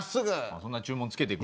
そんな注文つけてくる？